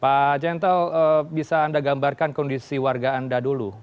pak gentle bisa anda gambarkan kondisi warga anda dulu